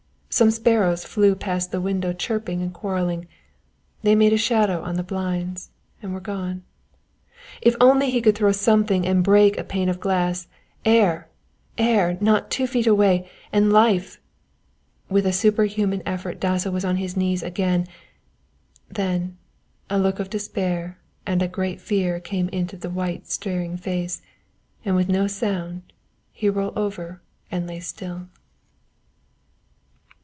Some sparrows flew past the window chirping and quarrelling they made a shadow on the blinds and were gone. If only he could throw something and break a pane of glass. Air air not two feet away and life With a superhuman effort Dasso was on his knees again then, a look of despair and a great fear came into the white staring face, and with no sound he rolled over and lay still.